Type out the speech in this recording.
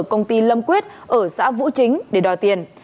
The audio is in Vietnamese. ở xã vũ chính để đòi tiền